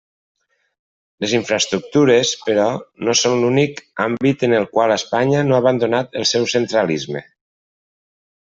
Les infraestructures, però, no són l'únic àmbit en el qual Espanya no ha abandonat el seu centralisme.